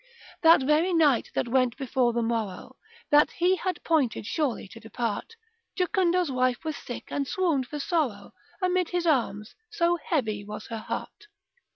That very night that went before the morrow, That he had pointed surely to depart, Jocundo's wife was sick, and swoon'd for sorrow Amid his arms, so heavy was her heart.